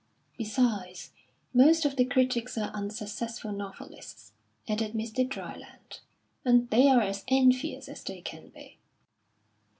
"Besides, most of the critics are unsuccessful novelists," added Mr. Dryland, "and they are as envious as they can be."